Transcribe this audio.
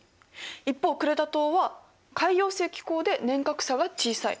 一方クレタ島は海洋性気候で年較差が小さい。